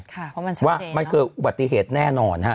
ค่ะเพราะมันชาวเน็ตเองว่ามันคืออุบัติเหตุแน่นอน